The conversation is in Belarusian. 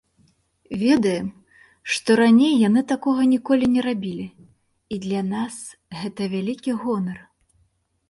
Ведаем, што раней яны такога ніколі не рабілі, і для нас гэта вялікі гонар.